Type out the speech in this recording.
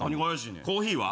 コーヒーは？